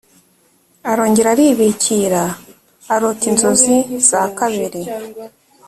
arongera aribikira arota inzozi za kabiri